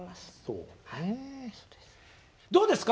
どうですか？